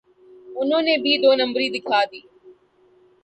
انہوں نے بھی دو نمبری دکھا دی۔